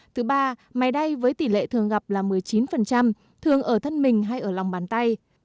thứ ba máy đay với tỷ lệ thường gặp là một mươi chín thường ở thân mình hay ở lòng bàn tay